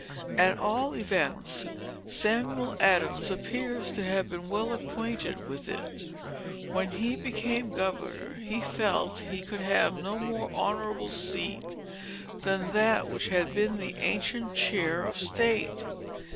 At all events, Samuel Adams appears to have been well acquainted with it. When he became governor, he felt that he could have no more honorable seat, than that which had been the ancient Chair of State.